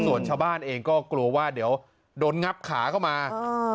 ส่วนชาวบ้านเองก็กลัวว่าเดี๋ยวโดนงับขาเข้ามาอ่า